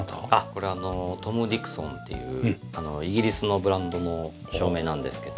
これはトム・ディクソンっていうイギリスのブランドの照明なんですけど。